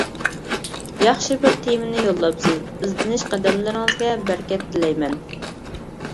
ياخشى بىر تېمىنى يوللاپسىز، ئىزدىنىش قەدەملىرىڭىزگە بەرىكەت تىلەيمەن.